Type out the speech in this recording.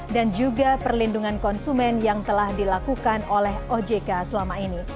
dan juga perlindungan konsumen yang telah dilakukan oleh ojk selama ini